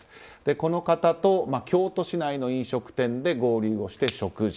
この方と京都市内の飲食店で合流して食事。